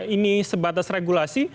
ini sebatas regulasi